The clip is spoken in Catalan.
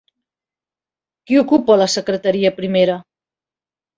Qui ocupa la secretaria primera?